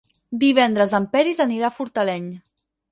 Divendres en Peris anirà a Fortaleny.